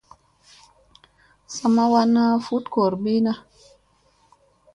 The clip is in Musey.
Sa ma wanna vut gorbina.